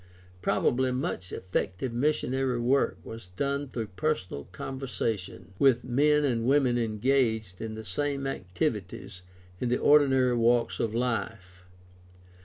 Probably much effective missionary work was done through personal conversation with men and women engaged in the same activities in the ordinary walks of life.